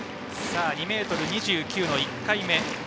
２ｍ２９の１回目。